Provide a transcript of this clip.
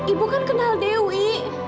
ibu kan kenal dewi